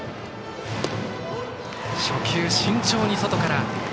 初球は慎重に外から。